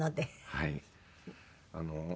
はい。